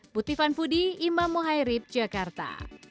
putri fanfudi imam mohairib jakarta